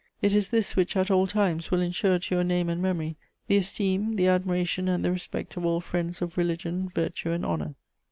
It is this which, at all times, will ensure to your name and memory the esteem, the admiration and the respect of all friends of religion, virtue and honour.